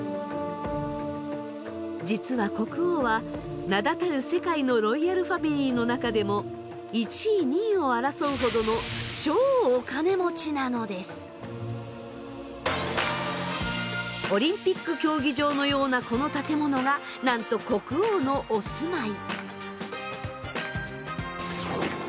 実は国王は名だたる世界のロイヤルファミリーの中でも１位２位を争うほどのオリンピック競技場のようなこの建物がなんと国王のお住まい。